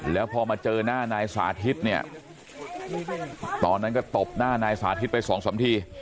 แล้วพอมาเจอหน้านายสาธิตเนี่ยตอนนั้นก็ตบหน้านายสาธิตไปสองสามที